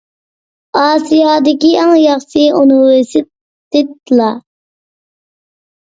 ئاسىيادىكى ئەڭ ياخشى ئۇنىۋېرسىتېتلار.